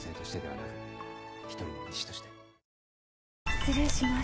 失礼します。